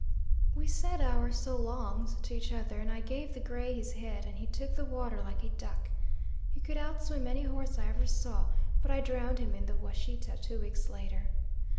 We said our 'so longs' to each other, and I gave the gray his head and he took the water like a duck. He could outswim any horse I ever saw, but I drowned him in the Washita two weeks later.